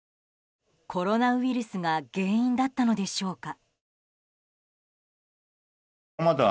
コロナウイルスが原因だったのでしょうか。